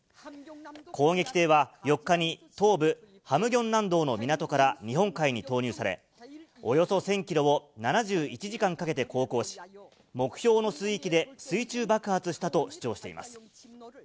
攻撃艇は４日に東部、ハムギョン南道の港から日本海に投入され、およそ１０００キロを７１時間かけて航行し、目標の水域で水中爆発したと主張しています。